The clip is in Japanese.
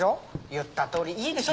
言ったとおりいいでしょ？